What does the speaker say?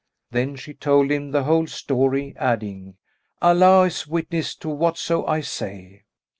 Then she told him the whole story, adding, "Allah is witness to whatso I say."